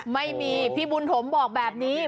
ไม่มีพี่บุญถมบอกแบบนี้